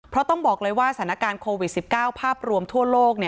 เพราะต้องบอกเลยว่าสถานการณ์โควิด๑๙ภาพรวมทั่วโลก